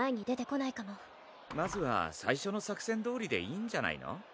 まずは最初の作戦どおりでいいんじゃないの？